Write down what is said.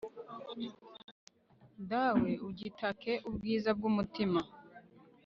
dawe, ugitake ubwiza bw'umutima